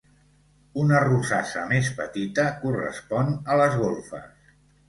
Una rosassa més petita correspon a les golfes.